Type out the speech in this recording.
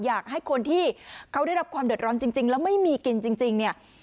อยากให้คนที่เขาได้รับความเดือดร้อนจริงแล้วไม่มีกินจริงเนี่ย